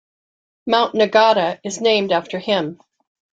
Mount Nagata is named after him.